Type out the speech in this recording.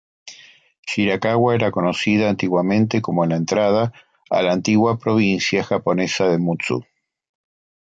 Shirakawa era conocida antiguamente como la entrada a la antigua provincia japonesa de Mutsu.